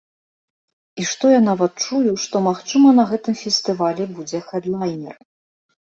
І што я нават чую, што, магчыма, на гэтым фестывалі будзе хэдлайнер.